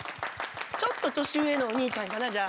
ちょっと年上のおにいちゃんかなじゃあ。